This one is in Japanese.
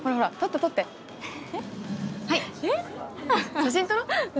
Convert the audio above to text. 写真撮ろう。